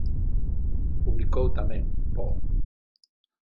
Publicou tamén ¡Po!